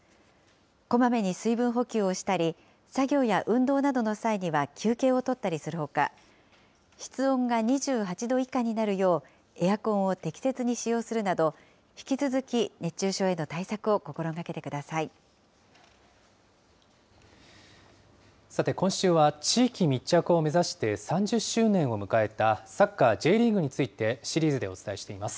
こまめに水分補給をしたり、作業や運動などの際には休憩を取ったりするほか、室温が２８度以下になるよう、エアコンを適切に使用するなど、引き続き熱中症へさて、今週は地域密着を目指して３０周年を迎えたサッカーＪリーグについて、シリーズでお伝えしています。